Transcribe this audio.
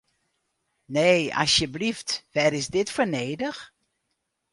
Nee, asjeblyft, wêr is dit foar nedich?